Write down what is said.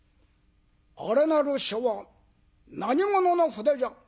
「あれなる書は何者の筆じゃ？」。